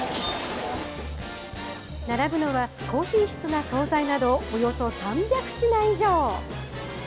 並ぶのは高品質な総菜など、およそ３００品以上。